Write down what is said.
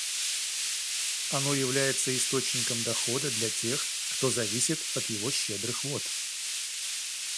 Оно является источником дохода для тех, кто зависит от его щедрых вод.